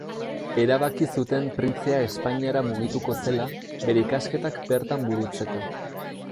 Erabaki zuten printzea Espainiara mugituko zela bere ikasketak bertan burutzeko.